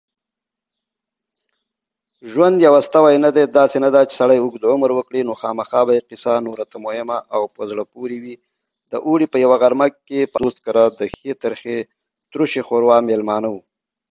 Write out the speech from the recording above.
When breathed in, these particles can reach the deepest regions of the lungs.